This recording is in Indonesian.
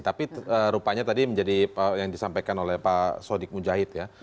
tapi rupanya tadi menjadi yang disampaikan oleh pak sodik mujahid ya